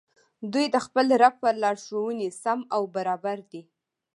دوى د خپل رب په لارښووني سم او برابر دي